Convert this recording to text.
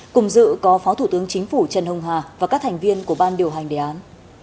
cùng dự có phó thủ tướng chính phủ trần hồng hà và các thành viên của ban điều hành đề án